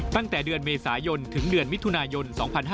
ตั้งแต่เดือนเมษายนถึงเดือนมิถุนายน๒๕๕๙